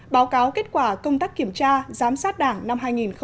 báo cáo kết quả công tác kiểm tra giám sát đảng năm hai nghìn một mươi chín